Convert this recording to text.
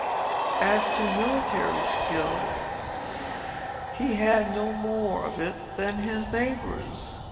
As to military skill, he had no more of it than his neighbors.